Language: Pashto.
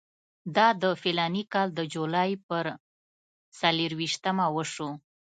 دا د فلاني کال د جولای پر څلېرویشتمه وشو.